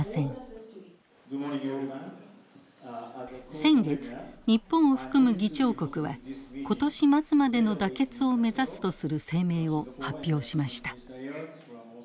先月日本を含む議長国は今年末までの妥結を目指すとする声明を発表しました。